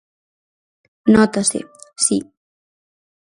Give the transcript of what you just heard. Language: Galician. Nótase, si.